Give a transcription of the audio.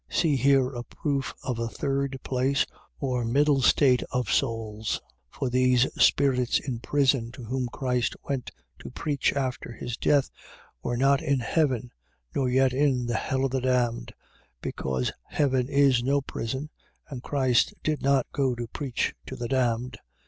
. .See here a proof of a third place, or middle state of souls: for these spirits in prison, to whom Christ went to preach, after his death, were not in heaven; nor yet in the hell of the damned: because heaven is no prison: and Christ did not go to preach to the damned.